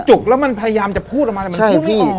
คนจุกแล้วมันพยายามจะพูดออกมาแต่มันพูดไม่ออก